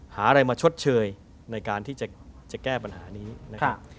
หาอะไรมาชดเชยในการที่จะแก้ปัญหานี้นะครับ